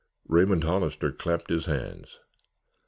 Raymond Hollister clapped his hands.